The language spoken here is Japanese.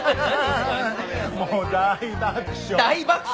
もう大爆笑。